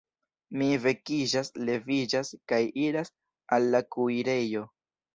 Mi vekiĝas, leviĝas, kaj iras al la kuirejo.